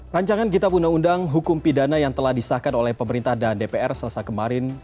rancangan kitab undang undang hukum pidana yang telah disahkan oleh pemerintah dan dpr selesai kemarin